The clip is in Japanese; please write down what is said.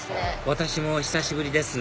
私も久しぶりです